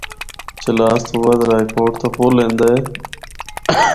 چلاس تو بعد رائےکوٹ دا پُل ایندا ہے۔